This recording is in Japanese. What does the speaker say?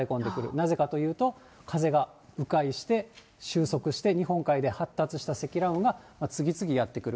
なぜかと言うと、風がう回して、収束して、日本海で発達した積乱雲が次々やって来る。